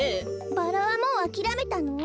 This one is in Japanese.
バラはもうあきらめたの？